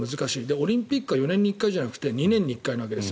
オリンピックは４年に１回じゃなくて２年に１回なんです。